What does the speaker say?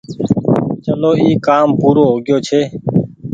چلو اي ڪآم پورو هو يو ڇي